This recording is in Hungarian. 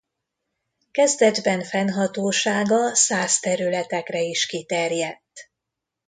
Kezdetben fennhatósága szász területekre is kiterjedt.